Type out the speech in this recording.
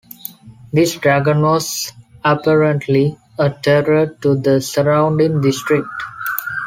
This dragon was apparently a terror to the surrounding district.